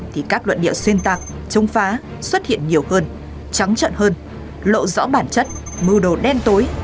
thì các luận điệu xuyên tạc chống phá xuất hiện nhiều hơn trắng trợn hơn lộ rõ bản chất mưu đồ đen tối